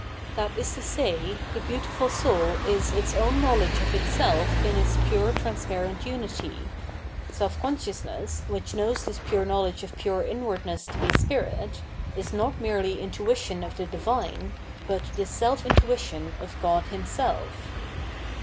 That is to say, the " beautiful soul " is its own knowledge of itself in its pure transparent unity — self consciousness, which knows this pure knowledge of pure inwardness to be spirit, is not merely intuition of the divine, but the self intuition of God Himself.